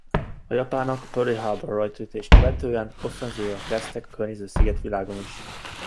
A japánok Perl-harbori rajtaütését követően offenzívába kezdtek a környező szigetvilágon is.